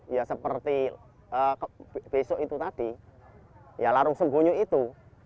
ya seperti besok itu tadi ya larung sembunyi itu